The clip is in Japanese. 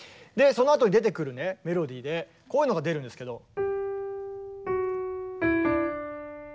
そのあとに出てくるねメロディーでこういうのが出るんですけど。